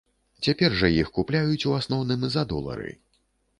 Цяпер жа іх купляюць у асноўным за долары.